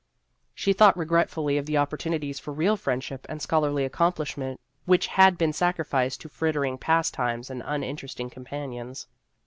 She thought regretfully of the opportunities for real friendship and scholarly accomplishment which had been sacrificed to frittering pastimes and uninteresting companions.